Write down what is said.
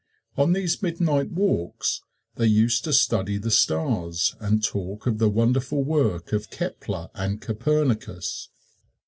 On these midnight walks they used to study the stars and talk of the wonderful work of Kepler and Copernicus.